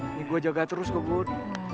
ini gua jaga terus kok bud